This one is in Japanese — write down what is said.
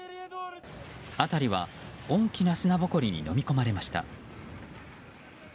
辺りは大きな砂ぼこりにのみ込まれました。